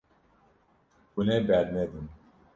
Hûn ê bernedin.